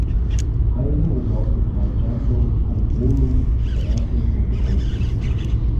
Ivan was also called Janko and dreamed that Ante would become a priest.